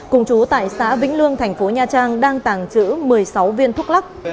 cùng chú tải xã vĩnh lương tp nha trang đang tàng trữ một mươi sáu viên thuốc lắc